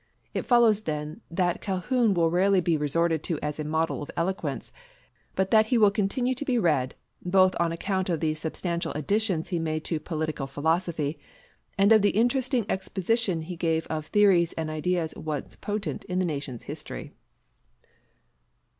It follows then that Calhoun will rarely be resorted to as a model of eloquence, but that he will continue to be read both on account of the substantial additions he made to political philosophy, and of the interesting exposition he gave of theories and ideas once potent in the nation's history.